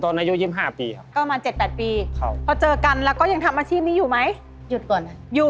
ทำมาประมาณกี่ปีเขาถึงมาเจอพี่จีน